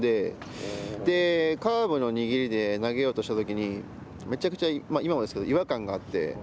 カーブの握りで投げようとしたときに、めちゃくちゃ、今もそうですけど、違和感があって。